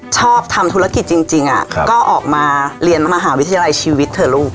ชอบทำธุรกิจจริงก็ออกมาเรียนมหาวิทยาลัยชีวิตเถอะลูก